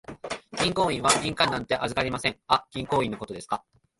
銀行員は印鑑なんて預かりません。あ、銀行印のことですか。